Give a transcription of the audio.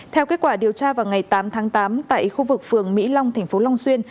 theo kết quả điều tra vào ngày tám tháng tám tại khu vực phường mỹ long thành phố long xuyên